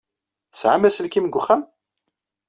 Tesɛam aselkim deg uxxam?